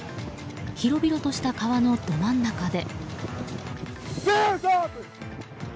広々とした川のど真ん中で。